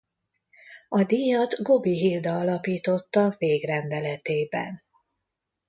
A díjat Gobbi Hilda alapította végrendeletében.